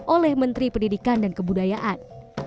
oleh menteri pendidikan dan kebudayaan